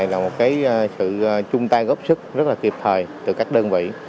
là một sự chung tay góp sức rất kịp thời từ các đơn vị